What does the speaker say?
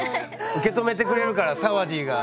受け止めてくれるからサワディーが。